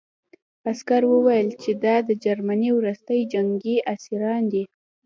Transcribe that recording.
عسکر وویل چې دا د جرمني وروستي جنګي اسیران دي